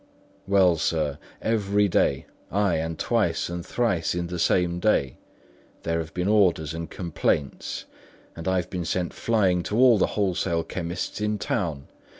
Well, sir, every day, ay, and twice and thrice in the same day, there have been orders and complaints, and I have been sent flying to all the wholesale chemists in town.